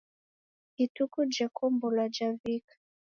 Ituku jekombolwa javika